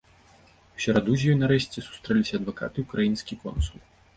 У сераду з ёй нарэшце сустрэліся адвакат і ўкраінскі консул.